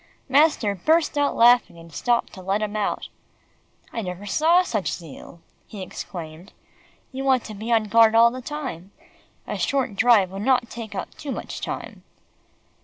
Master burst out laughing, and stopped to let him out. "I never saw such zeal," he exclaimed. "You want to be on guard all the time. A short drive would not take up too much time."